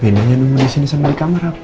bina nyamper di sini sama di kamar apa